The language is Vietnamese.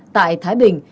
tại thái bình